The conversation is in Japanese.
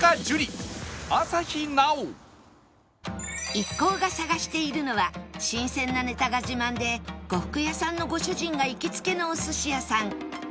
一行が探しているのは新鮮なネタが自慢で呉服屋さんのご主人が行きつけのお寿司屋さんエドシン